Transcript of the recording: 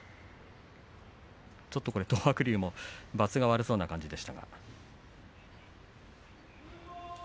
東白龍もばつが悪そうな感じでした。